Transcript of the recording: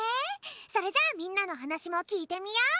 それじゃあみんなのはなしもきいてみよう！